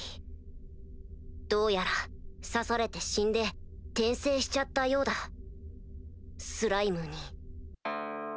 どうやら刺されて死んで転生しちゃったようだスライムに。